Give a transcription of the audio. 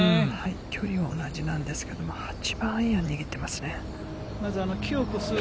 距離は同じなんですけれども、８番アイアン握ってますね。